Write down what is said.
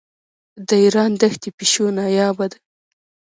د ایران دښتي پیشو نایابه ده.